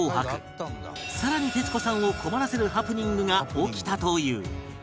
更に徹子さんを困らせるハプニングが起きたという